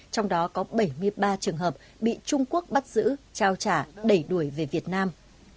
trong đó có bảy mươi ba trường hợp bị trung quốc bắt giữ trao trả đẩy đuổi về việt nam